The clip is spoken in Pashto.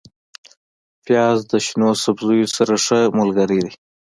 پیاز د شنو سبزیو سره ښه ملګری دی